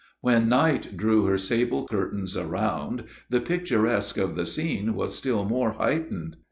When night drew her sable curtains around, the picturesque of the scene was still more heightened.